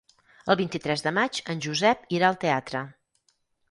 El vint-i-tres de maig en Josep irà al teatre.